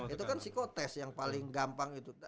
itu kan psikotest yang paling gampang itu